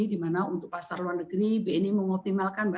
di mana untuk pasar luar negeri bni mengoptimalkan